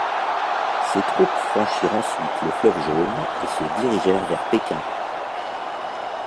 Ses troupes franchirent ensuite le fleuve Jaune et se dirigèrent vers Pékin.